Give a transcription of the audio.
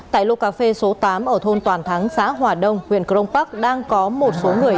tại lộ cà phê số tám ở thôn toàn thắng xã hòa đông huyện cronbach đang có một số người